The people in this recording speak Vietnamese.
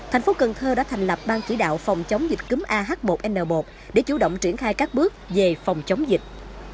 tp cn đã thành lập ban chỉ đạo phòng chống dịch cúm ah một n một để chủ động triển khai các bước về phòng chống dịch